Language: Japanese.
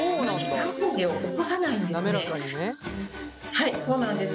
はいそうなんです。